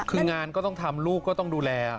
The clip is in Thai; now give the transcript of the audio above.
คืองานก็ต้องทำลูกก็ต้องดูแล